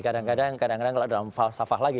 kadang kadang kalau dalam falsafah lagi